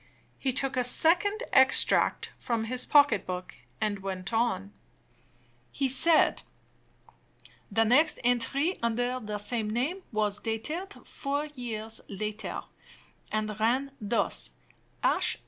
He took a second extract from his pocket book, and went on. He said: "The next entry under the same name was dated four years later, and ran thus, 'H.